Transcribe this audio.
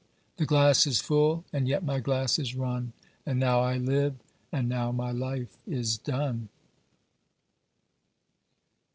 The glass is full, and yet my glass is run; And now I live, and now my life is done!